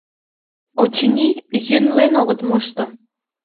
— Очыни, йӧнлен огыт мошто.